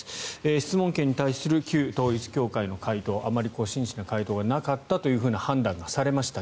質問権に対する旧統一教会の回答あまり真摯な回答がなかったという判断がされました。